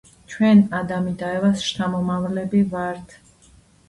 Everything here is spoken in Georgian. ჩვენ ადამი და ევას შთამომავლები ვართ